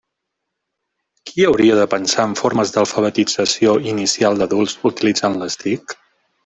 Qui hauria de pensar en formes d'alfabetització inicial d'adults utilitzant les TIC?